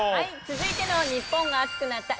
続いての日本が熱くなった！